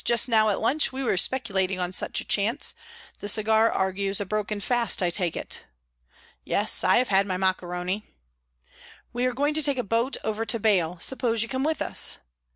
"Just now, at lunch, we were speculating on such a chance. The cigar argues a broken fast, I take it." "Yes, I have had my maccheroni." "We are going to take a boat over to Baiae. Suppose you come with us."